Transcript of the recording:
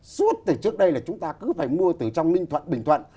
suốt từ trước đây là chúng ta cứ phải mua từ trong ninh thuận bình thuận